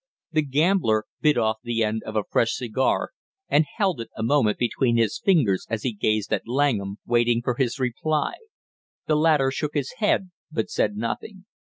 The gambler bit off the end of a fresh cigar and held it a moment between his fingers as he gazed at Langham, waiting for his reply. The latter shook his head but said nothing.